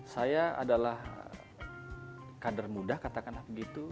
saya adalah kader muda katakanlah begitu